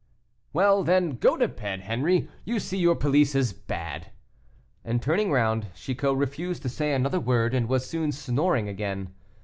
"Well, then, go to bed, Henri; you see your police is bad." And, turning round, Chicot refused to say another word, and was soon snoring again.